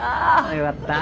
よかった。